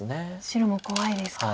白も怖いですか。